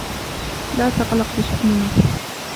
لا تقلق بشأننا.